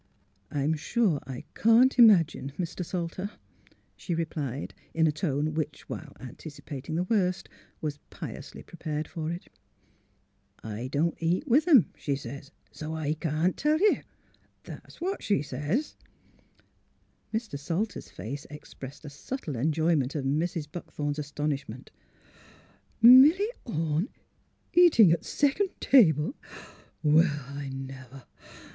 ''I'm sure I can't imagine, Mr. Salter," she replied, in a tone which while anticipating the worst w^as piously prepared for it. ''' I don't eat with 'em,' she sez; ' so I can't tell you! ' That's what she sez." Mr. Salter's face expressed a subtle enjoyment of Mrs. Buckthorn's astonishment. " Milly Orne— eatin' at second table?— Well, I never!